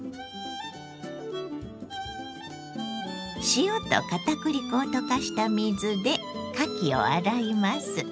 塩と片栗粉を溶かした水でかきを洗います。